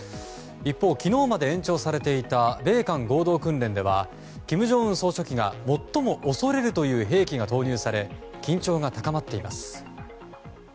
一方昨日まで延長されていた米韓合同訓練では金正恩総書記が最も恐れるという兵器が投入され緊張が高まっています。